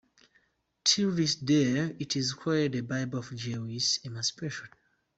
Till this day, it is called the "Bible of Jewish emancipation".